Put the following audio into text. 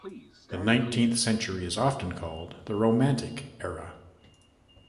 The nineteenth century is often called the Romantic era.